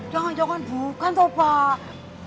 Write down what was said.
jangan jangan bukan tuh pak